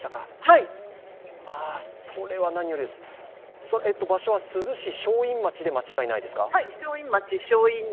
それは何よりです、場所は珠洲市正院町で間違いないですか？